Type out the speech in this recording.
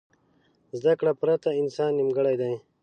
زده کړې پرته انسان نیمګړی دی.